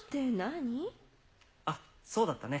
あっ、そうだったね。